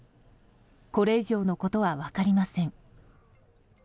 これ以上のことは分かりません。